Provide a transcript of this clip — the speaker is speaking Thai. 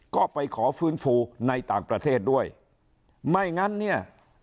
ก็ไปขอฟื้นฟูในต่างประเทศด้วยไม่งั้นเนี่ย